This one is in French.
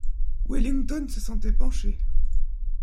Wellington se sentait pencher.